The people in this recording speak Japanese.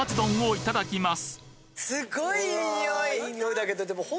いただきます。